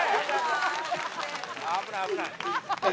危ない危ない。